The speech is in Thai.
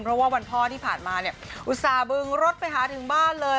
เพราะว่าวันพ่อที่ผ่านมาเนี่ยอุตส่าหบึงรถไปหาถึงบ้านเลย